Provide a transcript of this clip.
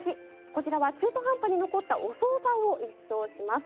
こちらは中途半端に残ったお総菜を一掃します。